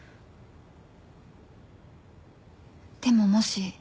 でももし。